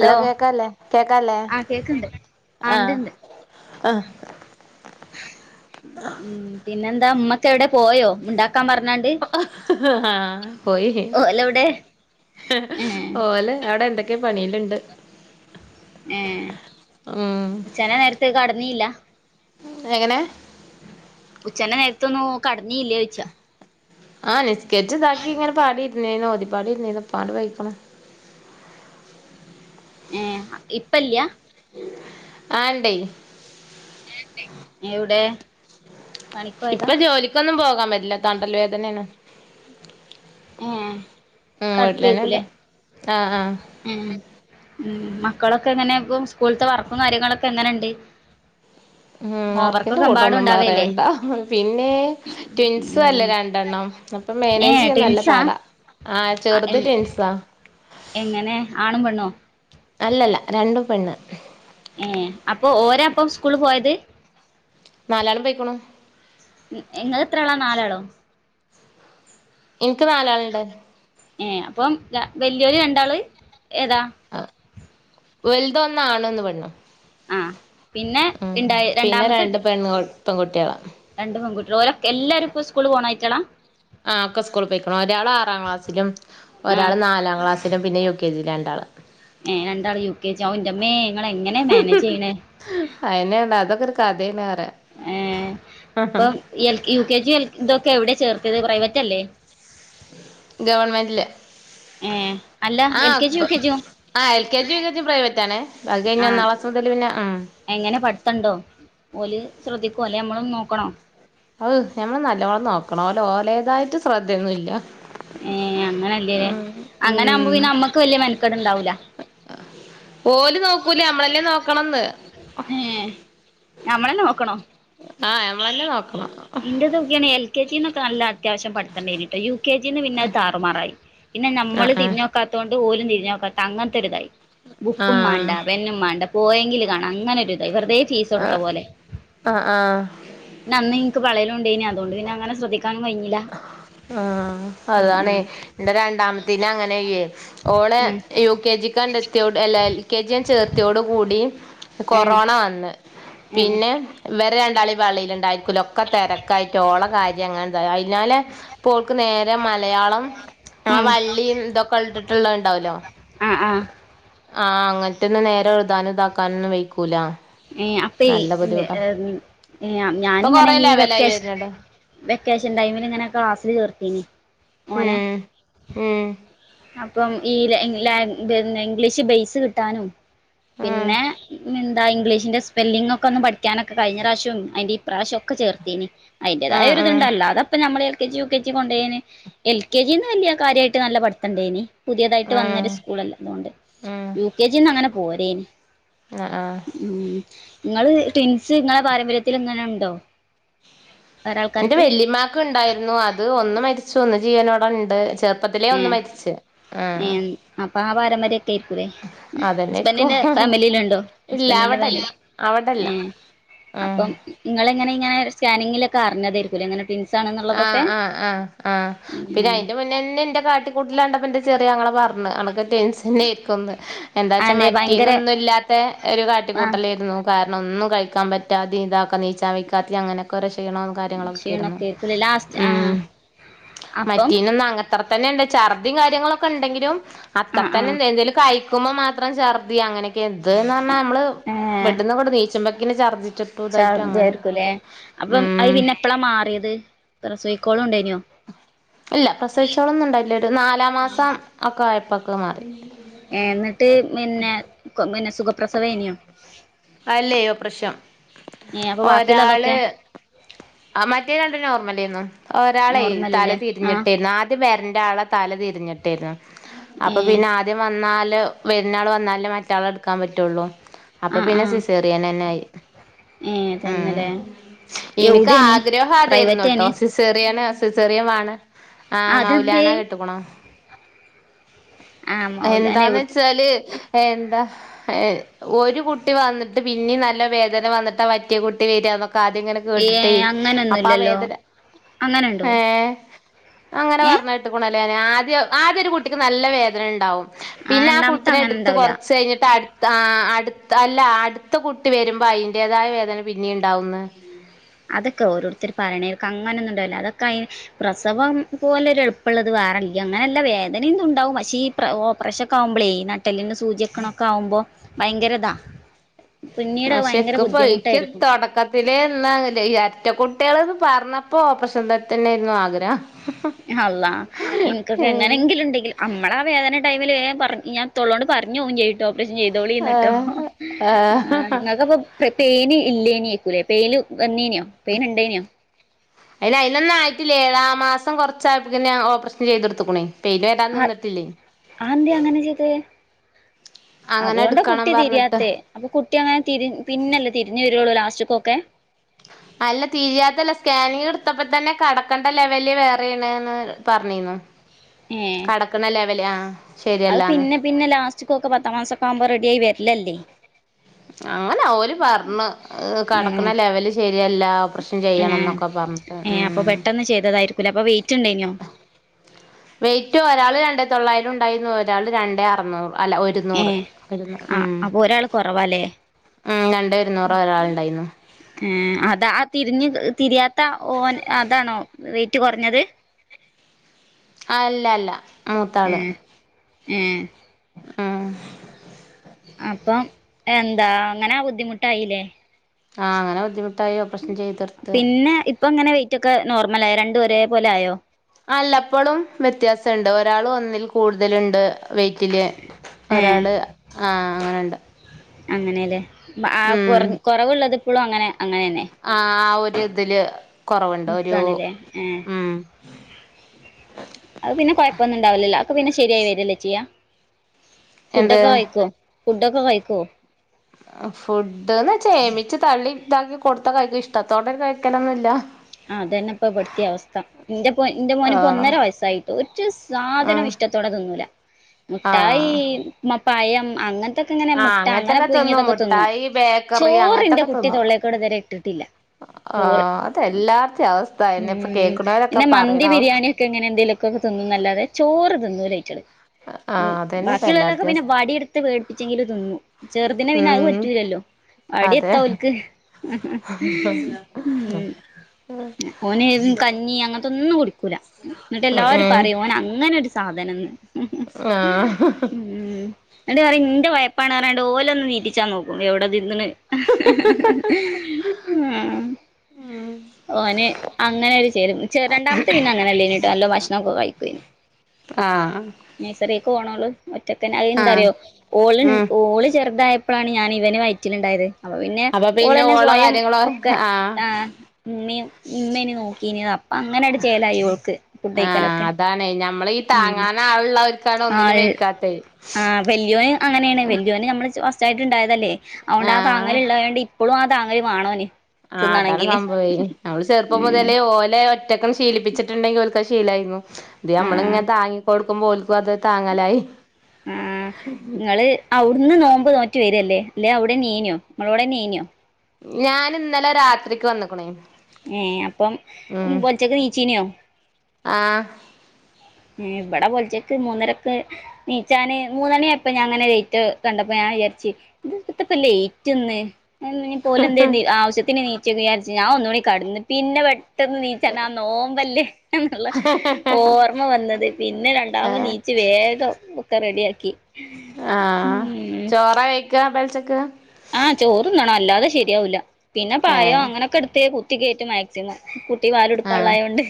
അല്ല കേക്കാല്ല കേക്കാല്ല ആ കേക്ക്ണ്ട് ആ ആ ഉം പിന്നെന്താ ഉമ്മക്ക എവിടെ പോയോ മിണ്ടാ ആ പോയി ഓലെവിടെ ഏ ഓല് അവിടെ എന്തൊക്കെ പണിലുണ്ട് ഏ ഉച്ഛന്റെ നേരത്ത് കെടന്നീല്ല എങ്ങനെ ഉച്ചന നേരത്തൊന്നു കടന്നീല്ലേ ചോയി ച്ച ആ നിസ്കരിച്ച് ഇതാക്കി ഇങ്ങനെ പാടി ഇരുന്നേന് ഓതിപ്പാടിരുന്നേന്ന് പങ്ങോട്ട് പോഴിക്ക്ണ് ഏ ഇപ്പല്യാ ആണ്ടയ് എവിടെ പണിക്കോയതാ ഇപ്പൊ ജോലിക്കൊന്നും പോകാൻ പറ്റില്ല തണ്ടൽ വേദനേണ് ഏ ഉം വീട്ടിലന്നെ ഉണ്ട് കടക്കേക്കൂലേ ആ ഉം ഉ മക്കളൊക്കെ എങ്ങനെ ഇപ്പ സ്കൂളത്തെ വർക്കും കാര്യങ്ങളൊക്കെ എങ്ങനെയുണ്ട് ഉം വർക്കിന്റെ കൂട്ടോ ഒന്നും പറയണ്ട പിന്നെ ട്വിൻസ അല്ലേ ഉം രണ്ടെണ്ണം അപ്പൊ ഏ മേനേജ് ചെയ്യാൻ നല്ല ട്വിൻസാ പാടാ ആ ചെറുത് ടിൻസാ എങ്ങനെ ആണും പെണ്ണോ അല്ലല്ല രണ്ടും പെണ്ണ് ഏ അപ്പൊ ഓര പ്പം സ്കൂളിൽ പോയത് നാലാളും പോയിക്കുണു ഇങ്ങള് എത്ര ആളാണ് നാലാളോ എനിക്ക് നാലാള് ഇണ്ട് വലിയൊരു രണ്ടാള് ഏതാ വലുതൊന്ന ആണും ഒരു പെണ്ണും ആഹ് പിന്നെ ഇണ്ടായി പിന്നെ രണ്ടാമത്തെ രണ്ട് പെണ്ണുകൾ പെൺകുട്ടികൾ രണ്ട് പെകുട്ടികൾഓലെ ക്കെ എല്ലാരുംസ്കൂള് പോണായിറ്റാളാ ആ ഒക്കെ സ്കൂളിൽ പോയി കുണു ഒരാൾ ആറാം ക്ലാസ്സിലും ഒരാൾ ആഹ് നാലാം ക്ലാസ്സിലും പിന്നെ യു കെ ജി ല് രണ്ടാൾ പ്പ രണ്ടാളും യുകെജിയാ ഹൗ ന്റമ്മേ ങ്ങൾ എങ്ങനെ മാനേജ് ചെയ്യണേ അയെന്നേണ് അതൊക്കെ ഒരു കഥേണ് പറയാ ഏ അപ്പം എൽയുകെജി എൽ ഇതോ എവിടെ ചേർക്കല് പ്രൈവറ്റ് അല്ലേ ഗവൺമെന്റില് ഏ അല്ല എൽകെജിയും യുകെജി യോ ആ L K G V K G പ്രൈവറ്റാണെ ബാക്കി ആഹ് ഒന്നാം ക്ലാസ് മുതല് പിന്നെ ആ എങ്ങനെ പഠിത്തണ്ടോ ഓല് ശ്രദ്ധിക്കൂ അല്ലോനമ്മള് നോക്കണോ ഔ ഞമ്മള് നല്ലവോണം നോക്കണോ ലൊ ഓലേതായിട്ട് ശ്രദ്ധയൊന്നും ഇല്ല ഏ അങ്ങനെല്ലേല്ലേ അങ്ങനെ ആകുമ്പോ ഉം പിന്നെ അമ്മക്ക് വലിയ മെൽക്കട് ഇണ്ടാവൂല ഓല്നോക്കൂ ല്ല നമ്മളെന്നെ നോക്കണംന്ന് നമ്മളെ നോക്കണോ ആഹ് നഞമ്മളന്നെ നോക്ക ഇന്റെതൊക്കെയാണ് എൽകെജിന്ന് നല്ല അത്യാവശ്യം പഠിത്തം ഉണ്ടായിരുന്നുടോ യു കെ ജിന്ന് പിന്നെ അത് താറുമാറായി പിന്നെ നമ്മൾ ആഹ് തിരിഞ്ഞു നോക്കാത്തത് കൊണ്ട് ഓലും തിരിഞ്ഞു നോക്കാത്ത അങ്ങനത്തെ ഒരു ഇതായി ബുക്കും ആഹ് മാണ്ട പെന്നും മാണ്ട പോയെങ്കിൽ കാണാം അങ്ങനെ ഒരു ഇതാണ് ഇവർ. പിന്നെ ആഹ് ആഹ് ആഹ് ആഹ് അന്ന് എനിക്ക് പള്ളിയിൽ ഉണ്ടായിരുന്നു അതുകൊണ്ട് അങ്ങനെ ശ്രദ്ധിക്കാൻ.. ഇല ആ അതാണ് എന്റെ രണ്ടാമത്തേതിന് അങ്ങനെ ചെയ്യെഓള് ഉം ഉം യു കെ ജി കണ്ടത്തിയോട് അല്ല എൽ കെ ജി ഞാൻചേർത്തിയോടു കൂടി ഏ കൊറോണ വന്ന് ഏ പിന്നെ ഇവരെ രണ്ടാളെയും പള്ളിയിൽ ഉണ്ടായിരിക്കില്ലോ ഒക്കെ തിരക്കായിട്ട് ഓള് കാര്യം അങ്ങനെ തായി ഹൈ പിന്നാലേപ്പോൾക്ക് നേരെ മലയാളം ആ ഉം വള്ളിയും ഇതൊക്കെ ഇട്ടട്ടുള്ളത് ഉണ്ടാവല്ലോ അ ഹ ആഹ് അങ്ങനത്തൊന്ന് നേരെ എഴുതാനും ഇതാക്കാനുംഒന്നും വെക്കൂല ഏ അപ്പൊ ഇപ്പൊ ഞാനിങ്ങനെ കൊറേ ഈ ലെവലായി വെക്കേഷ വരുന്നുണ്ട് വെക്കേഷൻ ടൈമിൽ ഇങ്ങനെ ക്ലാസ്സില് ചേർത്തീനി ഓനെ ഉം ഉം അപ്പം ഈ ല ല ഇംഗ്ലീഷ് ബെയസ് കിട്ടാനും ഉം പിന്നെ [unintelligible] ആ ഇംഗ്ലീഷിന്റെ സ്പെല്ലിംഗ് ഒക്കെ ഒന്ന്പഠിക്കാനും കഴിഞ്ഞ പ്രാവശ്യം അയിന്റെ ഇപ്രാവശ്യം ചേർത്തിരുന്നു അയിന്റെതായ ഉം ഒരു ഉം ഇതുണ്ട് അല്ലാതെ പ്പൊ നമ്മള് K G U K G കൊണ്ടായിരുന്നു എൽകെജി വലിയ കാര്യായിട്ട് നല്ല പഠിത്തണ്ടായിരുന്നു. പുതിയതായിട്ട് ഉം വന്നൊരു സ്കൂളല്ല അതുകൊണ്ട് ഉം യു കെ ജിന്ന് അങ്ങനെ പോരേന് ആഹ് ആഹ് ഉ നിങ്ങള് ൻസ് ഇങ്ങളെ പാരമ്പര്യത്തിൽ ഇങ്ങനെ ഉണ്ടോ എന്റെ വേറാൾക്കാർക്ക് വെല്ലിമാക്ക് ഉണ്ടായിരുന്നു അത് ഒന്ന് മരിച്ചു ഒന്ന് ജീവനോട ഉണ്ട് ചേർ ഏ ഏ അപ്പൊ ആ പാരമ്പര്യംൊക്കെ ആയിരിക്കൂേ അതന്നെയായിരിക്കും ഹസ്ബൻറിിന്റെ ഫാമിലിണ്ടോ ഇല്ല ഹബന്റെ ഫ അവിടെല്ല അവിടെല്ല അപ്പ ആഹ് നിങ്ങനെ ഇനെ സ്കാനിങ്ങില ഒക്കെ അഞ്ഞതായിരിക്ക അനെ ആഹ ആഹ് ആഹ് ആ പിന്നെ ഉം അയിന്റെ മുന്നേന്നെ എന്റെ കാട്ട ആട്ടിക്കൂട്ടിലാണ്ടപ്പന്നന്റെ ചെറിയ ഞെ പറഞ്ഞ അ എന്താച്ചാ അതെ ഭയങ്കര മറ്റീന്നൊന്നും ഇല്ലാത്ത ഒരു ആ കാട്ടിക്കൂട്ടലായിരുന്നു കാ ഒന്നും കഴിക്കാൻ പറ്റാത ഇതാക്കക്ക നീച്ചാ വക്കാത്തി അങ്ങനെയൊക്കെക്ഷണണം കാര്യങ്ങളൊക്കെയിരുന്നു ഫ ലാസ്റ്റ് ആ അ അപ്പം മറ്റീന ഒന്ന അങ്ങത്ര തന്നെ ഉണ്ട് ഛർദിയ കാര്യങ്ങളൊക്കെ ഉണ്ടെങ്കിലും ആ അത്ര ആ തന്നെന്ത എന്തും കഴിക്കുമ്പോ മാത്രം ചെർദ അങ്ങനെയൊക്കെ എന്ത്ന്ന് പറഞ്ഞാ നമ്മള് ഏ വെട്ടന്ന് കൂടെ നീച്ചമ്പക്കെ ചഛർജിച്ചിട്ടും ഇതായിട്ടും അങ്ങനെ ഛർദിയായിരിക്കൂലേ ബുദ്ധിമുട്ട് ഉ സീക്കോളും ഉണ്ടായിനോ ഇല്ല പ്രസവിച്ചോളൊ ഒന്നും ഉണ്ടായില്ല ഒരു നാലാ മാസം ഒക്കെ ആയപ്പൊക്കെ മാറി സുഖപ്രസവേനിയ അല്ലയോ പ്രശ്നം ഏ അപ്പൊ ഒരാള് ബാക്കിയുള്ളതൊക്കെ ആ മറ്റേ രണ്ട് നോർമലന്നും ഒരാളെ തല നോർമലില്ലേ ആഹ് തിരിഞ്ഞിട്ടേരുന്നു ആദ്യ പേരന്റെ ആളെ തല തി ഏ അപ്പൊ പിന്നെ ആദ്യ വന്ന വരുന്ന ആൾ വന്നാലേ മറ്റാളെ എടുക്കാൻ പറ്റുള്ളു അപ്പൊ ആഹ് പിന്നെ ആഹ് സിസേറിയൻെ തന്നെ ആയി ഏ ഉം തന്നെല്ലേ എ എനിക്ക് ആഗ്രഹം അതായിരുന്നു കേട്ടോ സിസെറിയാണ് സിസെറിയമാണ് ആഹ് അതെന്തേ മൗലാനാ കെട്ടിക്കണോ ആഹ് മൗലാന എന്താന്ന് എവി വെച്ചാല് എന്താ ഒരു കുട്ടി വന്നിട്ട് പിന്നീ നല്ല വേദന വന്നിട്ടാ പറ്റിയ കുട്ടി വരിക എന്നൊക്കെ കാതെങ്ങനെ ഏ കേട്ട് അപ്പ അങ്ങനൊന്നുല്ലല്ലോ വേദ അങ്ങനെണ്ടോ അങ്ങനെ ഏ പറട്ട അെ ആദ്യ ആദ്യ ഒരു കുട്ടിക്ക് നല്ല വേദന ഉണ്ടാവും പിന്നെ ആ രണ്ടാമത്തെ കൂട്ടിനെ അങ്ങനെ എടുത്ത് ഉണ്ടാവൂല കുറച്ച് കഴിഞ്ഞിട്ട് അ ആ അടു അല്ല അടുത്ത കുട്ടി വരുമ്പോ അയിന്റേതായ വേദന പിന്നെ ഉണ്ടാവുന്ന അതൊക്കെ ഓരോരുത്തർ പറയണക്ക അങ്ങനെ ഒന്നുംണ്ടാവല്ലോ അതൊക്കെ അ പ്രസവം പോലെ ഒരുരു എളുമുള്ളള്ളത് വേറല്ല അങ്ങനെല്ല വേദനയും ഇതുണ്ടാവും പക്ഷേ ഈ ഓപ്പറേഷൻ ഒക്ക ആകുമ്പോളേ ഈ നട്ടലിന്ന് സൂചക്കണൊക്കെ ആകുമ്പോ ഭയങ്കരതാണ് പക്ഷെക്ക പയിക്ക് തുടക്കത്തിലേ ഒറ്റ കുട്ടികൾ പറഞ്ഞപ്പോ പ്രശന്ത തന്നെയായിരുന്നു ആഗ്രഹം അല്ലാ നിനിക്കൊക്കെ ഏഹ് എങ്ങനെങ്കിലും ഉണ്ടെങ്കിൽ നമ്മള ആ വേദന ടമിൽ പറ ഞൻ തൊള്ളോണ്ട് പറഞ്ഞു ച്ട്ടോ കു ചെയ്തോളിന്ന്ിട്ടോ ആഹ് ആഹ് ആ നിങ്ങക്കപ്പ പേന് ഇല്ലേനക്കൂലേ പേയിന് വന്നനോ പേന ഇണ്ടേനെയോ അ അയിതിനൊന്നും ആയിട്ടില്ലേ ആ മാസം കൊറച്ചായ ഓപ്പറേഷൻ ചെയ്തെടുത്തക്കണേ പേര് വരാന്ന് ആഹ് നിന്നിട്ടില്ലേ അതെന്തേ അങ്ങനെ ചെയ്തേ അങ്ങനെ അതുകൊണ്ടാ എടുക്കണം കുട്ടി പറഞ്ഞിട്ട് തിരിയാത്ത അപ്പൊ കുട്ടി അങ്ങനെ തി പിന്നല്ലേ തിരിഞ്ഞു വ ള്ള ലാസ്റ്റക്കൊക്കെ ഉം അല്ല തീരിയാത്തല്ല സ്കാനിങ് എടുത്തപ്പോ തന്നെ കടക്കണ്ട ലെവല് വേറെണ്ന്ന് പറഞ്ഞിന്നു ഏ കടക്കണ ലെവല് ആഹ് അത് ശരിയല്ലാന്ന് പിന്നെ പിന്നെ ലാസ്റ്റക്ക്ൊക്കെ പത്താം മാസൊക്കെ ആവുമ്പോ വി രലല്ലേ അങ്ങനെ അവര് പറഞ്ഞ ഉം കടക്കുന്ന ഉം ലെവല് ശരിയല്ല ഓപ്പറേഷൻ ചെയ്യണം എന്നൊക്കെ പറഞ്ഞിട്ട് ഏ് അപ്പ ഉം പെട്ടെന്ന് ചെയ്തതായിരിക്കൂല അപ്പ വെയിറ്റ്ണ്ടായിനോ വെയിറ്റ് ഒരാൾ രണ്ടേ തൊള്ളായിരം ഉണ്ടായിരുന്നു ഒരാൾ രണ്ട അറുന്നൂറ് അല്ല ഏ ഒരുന്നൂറ് ഒരുുന്നൂ ആ ഉം അപ്പൊ ഒരാള് കുറവാല്ലേ ഉം രണ്ടോ ഇരുന്നൂറോ ഒരാൾുണ്ടായിരുന്നു തിരിഞ്ഞു തിരിയാത്ത ഓൻ അതാണോ റേറ്റ് കുറഞ്ഞത് ആ അല്ല അല്ല മൂത്താള് ഉഏ ആഹ അപ്പം എന്താ അങ്ങനെ ബുദ്ധിമുട്ടായില്ലേ ആ അങ്ങനെ ബുദ്ധിമുട്ടായി ഓപ്പറേഷൻ ചെയ്തെടുത്ത് പിന്നെ ഇപ്പൊ ഇങ്ങനെ വെറ്റ്ൊക്കെ നോർമല ആയോ രണ്ടുപേരെ പോലെ ആയോ അല്ലപ്പോഴും വ്യത്യാസുണ്ട് ഒരാൾ ഒന്നിൽ കൂടുതലുണ്ട് വെറ്റില് ഒരാള് അങ്ങനെയുണ്ട് അങ്ങനെയല്ലേ ആ കൊ കുറവുള്ളത് ഇപ്പോഴും അങ്ങനെ അങ്ങനെ തന്നെ ആഹ ആ ഒരു ഇതില് കുറവുണ്ട് ഒരു നിക്കാണ്ല്ലേ ഏ ഉം അത് പിന്നെ കൊഴപ്പൊന്നും ഉണ്ടാവലല്ലോ പിന്നെ ശരിയായി വരല്ലച്ചിയ എന്ത് ഫുഡൊക്കെ കഴിക്കോ ഫുഡൊക്കെ കഴിക്കോ ഫുഡ്ന്ന് ചേമിച്ച് തള്ളി ഇതാക്കി കൊടുത്ത കഴിക്കും ഇഷ്ടത്തോടെ കഴിക്കണംൊന്നുമില്ല ആ് അതന്നെ ഇപ്പൊ പെടുത്തിയ അവസ്ഥ എന്റെ എന്റെ മോന് ഇപ്പോ ആഹ് ഒന്നര വയസായിട്ട് ഒ സാധനം ഉം ഇഷ മുറ്റത്തോടെ ന്നൂല മുട്ടായി ആഹ് മ പയം അങ്ങന ഇൊക്കെ ഇങ്ങനെ ആഹ് മുട്ട അങ്ങനെ അങ്ങനത്തൊക്കെ പൊങ്ങിയതൊക്കെ തിന്നും മുട്ടായി ബേക്കറി ചോറിന്റെ കുട്ടി തൊള്ളേൽക്കൂടെ ഇതുവരെ ഇട്ടിട്ടില്ല ചോറ് ആഹ അത എല്ലാർത്ത അവസ്ഥ എന്നന്നെ ഇപ്പൊ ഉം കേൾക്കണവരൊക്കെ പറയണ അവസ്ഥ എന്തെലൊക്കൊക്ക തിന്നും നല്ലാതെ ചോറ് തിന്നു ലൈറ്റ ആഹ ഉ ബാക്കിയുള്ളള്ളവലൊക്കെ പിന്നെ വാടിയെടുത്ത് പേടിപ്പിച്ചെങ്കിൽ തിന്നു ചെറുന്നെ പിന്നെ അത് ഉം പറ്റൂലല്ലോ അടി അതെ എത്ത അവലക്ക് ഉ ഉം ഓന് കഞ്ഞി അങ്ങനത്തെ ഒന്നും കുടിക്കൂല എന്നിട്ട് ഉം എല്ലാരരും പറയും ഓന അങ്ങനെ ഒരു സാധനം ആഹ എ പറ നിന്റെ വായപ്പാണ് പററാണ്ട് ഓലെ ഒന്ന് നീറ്റിച്ചാ നോും എവിടെ എ ആ ഓന് അങ്ങനെ ഒരു ചേരുംെ രണ്ടാമത്തെ പിന്നെ അങ്ങനെല്ല ഇട്ട് നല്ലോ ഭക്ഷണം ഒക്കെ കഴിക്കുന് ആ ഒറ്റക്ക അ എന്താറോ ഓ ഉം ഓള് ചെറുതായ അപ്പോഴാണ് ഞാൻ ഇവന് വയറ്റിലുണ്ടായത് അപ്പൊ പിന്നെ അപ്പൊ പിന്നെ ഓളന്നെ ഓളോ സ്വയം കാര്യങ്ങളോ ഒക്കെ ആഹ് ആ ഉമ്മ ഉമ്മേനെ നോക്കീ അപ്പ അങ്ങനെ അടിച്ചല അയോൾക്ക് ആഹ അതാണ്േ ഞമ്മൾീഈ ഉം താങ്ങാാന ആളള്ളവർക്കാണ് ഒന്നിനും വെക്കാത്തത് വ അങ്ങനെയാണ് വലല്ിയോ നമ്മ ായിട്ടുണ്ടായതല്ലേ അതൊണ്ട് ആ താങ്ങൽ ആഹ് ഉണ്ടായതത്ൊണ്ട് ഇപ്പോഴും ആ താങ്ങൽ വണോന് ആ അതാണ് സംഭവം നമ്മള് ചെറുപ്പം ഉം മുതലേ ഓലെ ഒറ്റക്കൻ ശീലിപ്പിച്ചിട്ടുണ്ടെങ്കിൽക്ക ശീലായിരുന്നു ഇ നമ്മള ആഹ് ഇങ്ങനെ താങ്ങി കൊടുക്കുമ്പോലക്കും അത താങ്ങലായി ആഹ നിങ്ങള് ഒന്ന് നോുമമ്പോ് നോറ്റി വരല്ലേ അല്ലെ അവിടെ നീനിയോ നമ്മളോവിടെ നീനിയോ ഞാന ഇന്നലെ രാത്രിക്ക് വന്നക്കണേ ഏ അപ്പം ഉ പോൊലച്ചൊക്കെ നീച്ചീനോ ആഹ ഇവിടെ പൊലിച്ചേക്ക് മൂന്നരൊക്കെ നീച്ചാന് മൂന്നണിയായപ്പ ഞാൻ അങ്ങനെറ്റ് കണ്ടപ്പോ ഞ ഞൻ വിചാരിച് ത് പ്പ ത്താ ന്ന് ലൈറ്റ് ന്ന് [unintelligible] പോലും എന്ത ആശ്യത്തിന് നിച്ചിന് വി ചാരിച് ഞാൻ ഒന്നൂടി കെടന്ന് പിന്നെ ഇവിടെ പെട്ടന്ന് നീചാണ്ട് ആ നോമ്പല്ലേ ന്നുള്ള ഓർ ഉർമ്മ വന്നത് പിന്നെ രണ്ടാമത് ഏഹ് നീച്ച വേഗം ഒക്കെ റെഡിയാക്കി ആ ഉം ചോറ കഴിക്കാ പേൽച്ചക്ക് ആഹ് ചോർന്നണം അല്ലാതെ ശരിയാവൂല പിന്നെ പയം ഏഹ് അങ്ങനെയൊക്കെ എടുത്ത് കുത്തി കുത്തി കയറ്റും മാക്സിമം കുട്ടി പാൽ ആഹ് കൊടുക്കാനുള്ളയൊണ്ട്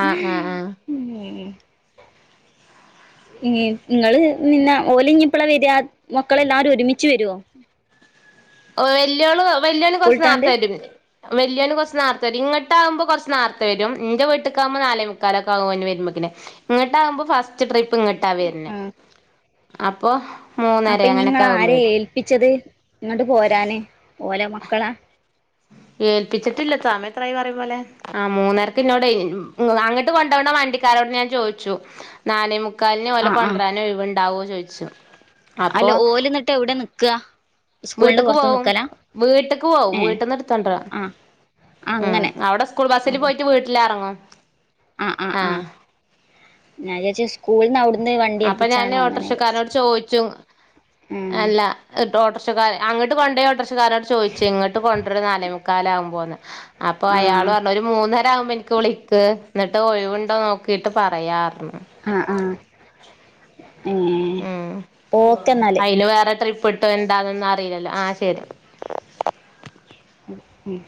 ആഹ് ആഹ് ആഹ് ങ്ങള് നിന്ന ഓലഞ്ഞിപ്പളെ വരെ മക്കളെല്ലാരും ഒരുമിച്ച് വരുവോ ആ വല്ലിഒള്ള് വാല്ലിഒള്ള് കൊർച്ച്‌ സ്കൂളിട്ടാണ്ട് നർത്തെ വരും ഇന്ഞ്ഞ് വല്ല്യള്ള് കുറച്ച് ന്നാർത്തവരും ഇങ്ങട്ട ആകുമ്പോ കുറച്ച് ന്നാർത്ത വരും ഇന്റെ വീട്ടേക്കാവുമ്പോ നാലെമുക്കാലോക്കാക്കും വരുമ്പോത്തിൻ... ഇങ്ങോട്ട ആകുമ്പോ ഫസ്റ്റ് ട്രിപ്പ് ഇങ്ങോട്ടാ വരുന്നെ ആഹ് അപ്പൊ മൂന്നര അപ്പൊ നിങ്ങള അങ്ങനൊക്കെ ആര ആകുമ്പോ വരും ഏൽപ്പിച്ചത് ഇങ്ങോട്ട് പോരാന് ഓലെ മക്കളാ ഏൽപ്പിച്ചിട്ടില്ല സാമത്രായി പറയുംപോലെ ആ മുന്നരക്ക് ഇന്ഞ്ഞ് അങ്ങോട്ട് കൊണ്ടോണ വണ്ടിക്കാര.. [unintelligible] ഞാൻ ചോദിച്ചു നാലെ മുക്കാലിന് ഓലെ ആഹ് ആഹ് കൊണ്ട്റാന്ന് ഓയിവ് ഉണ്ടാവോന്ന് ചോദിച്ചു.. അല്ല ഓലന്നിട്ട എവിടെ നിക്കാ സ്കൂളിന്റെ വീട്ടക്ക് പുറത്ത് പോവും നിക്കലാ വീട്ടക്ക് പോവും ഏഹ് വീട്ടിൽന്ന് എടുത്തണ്ടറാ ആഹ് ഉം അങ്ങനെ അവിടെ സ്കൂൾ ബസ്സിൽ പോയിട്ട് വീട്ടിൽ എറങ്ങും.. ആ ആ ആ ഞൻ വിചാരിച്ച് സ്കൂൾ ന്ന വിട അപ്പൊ ഞാന് ഓട്ടറിക്ഷക്കാരനോട് ചോദിച്ചു ഉം അല്ല ഹ് ഓട്ടോറിക്ഷക്കാര അങ്ങോട്ട് കൊണ്ടോയ ഓട്ടോറിക്ഷ ക്കരൻ റിക്ഷ ക്കാരന്നോട് ചോദിച്ചു ഇങ്ങോട്ട് കൊണ്ട്രോ നാലെ മുക്കാലക്കുമ്പോന്ന് അപ്പൊ അയാള് ആഹ് പറഞ്ഞ ഒരു മൂന്നര ആവും ബോ ന്.. ക്ക് വിളക്ക് ന്നിട്ട് ഒഴിവുണ്ടോന്ന് നോക്കിട്ട് പറയാ പറഞ്ഞ്.. ആ ആ ഉ അയില് വേറെഎത്ര [unintelligible] എന്താന്നൊന്നും അറിയില്ലല്ലോ ആഹ് ശരി ഉം ഉം